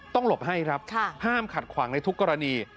หลบให้ครับห้ามขัดขวางในทุกกรณี